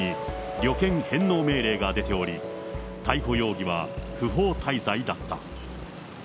去年４月に、旅券返納命令が出ており、逮捕容疑は不法滞在だった。